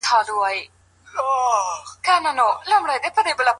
د ټولني د هوساينې لپاره کار وکړئ.